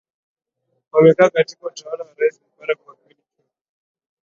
wamekaa katika utawala wa rais mubarak kwa kipindi chote